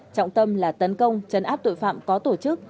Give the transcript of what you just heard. trọng tâm là tấn công chấn áp tội phạm có tổ chức